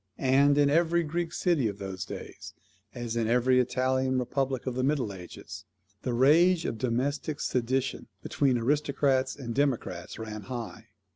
And, in every Greek city of those days, as in every Italian republic of the middle ages, the rage of domestic sedition between aristocrats and democrats ran high.